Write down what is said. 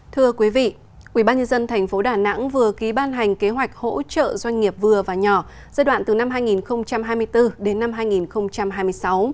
thưa quý vị quỹ ban nhân dân tp đà nẵng vừa ký ban hành kế hoạch hỗ trợ doanh nghiệp vừa và nhỏ giai đoạn từ năm hai nghìn hai mươi bốn đến năm hai nghìn hai mươi sáu